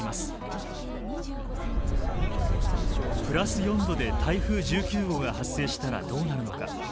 プラス４℃で台風１９号が発生したらどうなるのか。